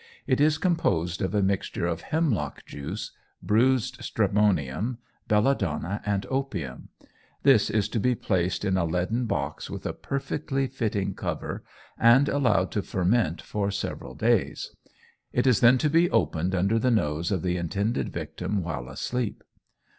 It is composed of a mixture of hemlock juice, bruised stramonium, belladonna, and opium. This is to be placed in a leaden box with a perfectly fitting cover, and allowed to ferment for several days; it is then to be opened under the nose of the intended victim while asleep.